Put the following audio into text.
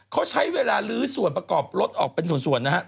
เขาใช้เวลาลื้อส่วนประกอบรถออกเป็นส่วนนะฮะ